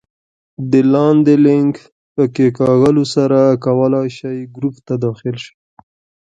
د لاندې لینک په کېکاږلو سره کولای شئ ګروپ ته داخل شئ